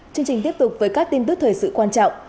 chương trình tiếp tục với các tin tức thời sự quan trọng